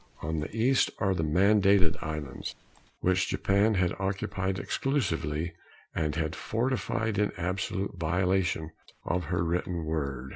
On the east are the Mandated Islands which Japan had occupied exclusively, and had fortified in absolute violation of her written word.